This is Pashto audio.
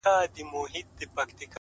بدل کړيدی،